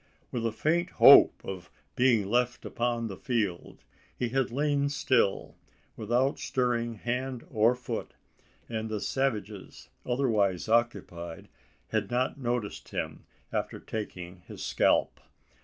With a faint hope of being left upon the field, he had lain still, without stirring hand or foot; and the savages, otherwise occupied, had not noticed him after taking his scalp.